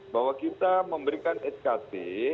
bahwa kita memberikan skt